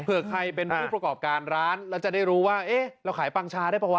ใครเป็นผู้ประกอบการร้านแล้วจะได้รู้ว่าเอ๊ะเราขายปังชาได้เปล่าวะ